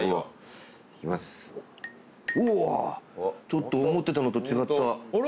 ちょっと思ってたのと違った。